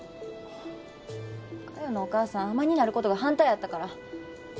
嘉代のお母さん海女になることが反対やったから。